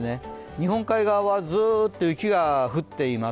日本海側はずっと雪が降っています。